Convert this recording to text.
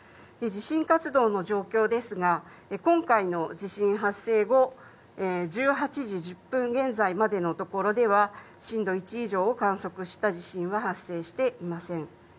地震活動の状況ですが、今回の地震発生後、１８時１０分現在までのところでは、震度１以上を観測した地震は発生していません。